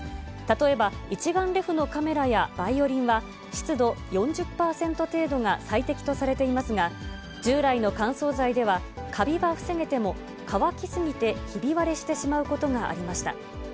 例えば、一眼レフのカメラやバイオリンは、湿度４０％程度が最適とされていますが、従来の乾燥剤ではカビは防げても、乾き過ぎてひび割れしてしまうことがありました。